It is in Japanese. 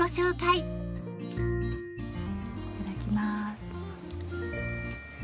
いただきます。